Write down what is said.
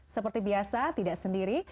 seperti biasa tidak sendiri